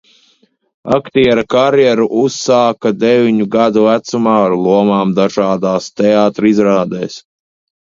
Aktiera karjeru uzsāka deviņu gadu vecumā ar lomām dažādās teātra izrādēs.